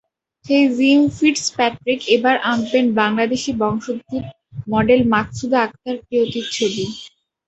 সেই Jim Fitzpatrick এবার আঁকবেন বাংলাদেশি বংশোদ্ভূত মডেল মাকসুদা আকতার প্রিয়তির ছবি।